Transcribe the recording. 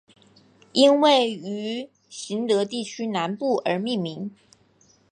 因位于行德地区南部而命名。